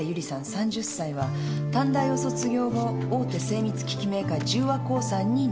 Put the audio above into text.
３０歳は短大を卒業後大手精密機器メーカー十和興産に入社。